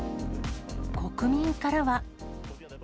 国民からは。